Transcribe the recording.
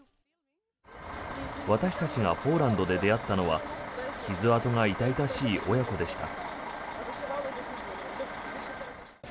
私たちがポーランドで出会ったのは傷痕が痛々しい親子でした。